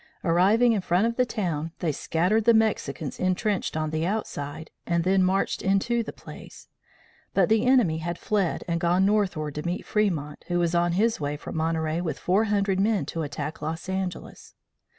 Arriving in front of the town, they scattered the Mexicans intrenched on the outside, and then marched into the place. But the enemy had fled and gone northward to meet Fremont who was on his way from Monterey with four hundred men to attack Los Angeles.